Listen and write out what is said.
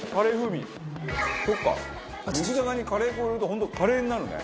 肉じゃがにカレー粉を入れると本当カレーになるね。